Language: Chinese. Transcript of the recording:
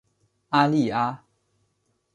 阿利阿。